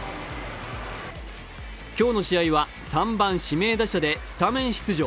今日の試合は３番・指名打者でスタメン出場。